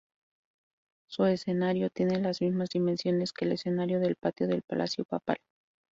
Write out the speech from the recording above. Su escenario tiene las mismas dimensiones que el escenario del patio del Palacio Papal.